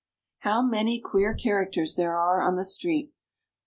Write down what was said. How many queer characters there are on the street!